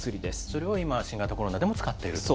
それを今、新型コロナでも使っていると。